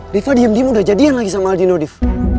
riva diem diem udah jadian lagi sama aldino div